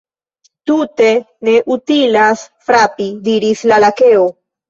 "Tute ne utilas frapi," diris la Lakeo."